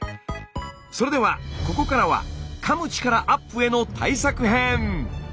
それではここからはかむ力アップへの対策編！